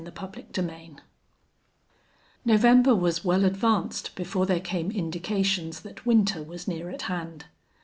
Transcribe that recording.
CHAPTER XII November was well advanced before there came indications that winter was near at hand.